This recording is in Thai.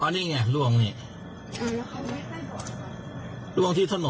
เนี้ยลวงเนี้ยลวงที่ถนน